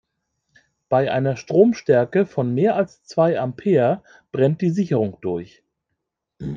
Bei einer Stromstärke von mehr als zwei Ampere brennt die Sicherung durch.